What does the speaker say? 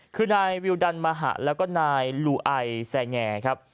คือนายวิวดันมหะแล้วก็นายลูไอแซงแอร์ครับ